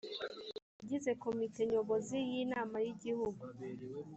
abagize komite nyobozi y inama y igihugu